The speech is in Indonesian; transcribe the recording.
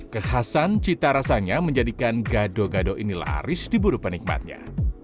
kehasan cita rasanya menjadikan gado gado ini laris di buru penikmatnya